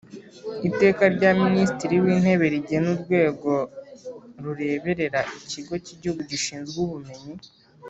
Iteka rya Minisitiri w Intebe rigena urwego rureberera Ikigo cy Igihugu gishinzwe Ubumenyi